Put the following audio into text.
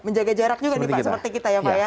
menjaga jarak juga nih pak seperti kita ya pak ya